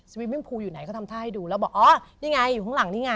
วิมมิ่งพูอยู่ไหนเขาทำท่าให้ดูแล้วบอกอ๋อนี่ไงอยู่ข้างหลังนี่ไง